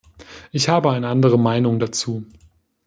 Ich habe eine andere Meinung dazu.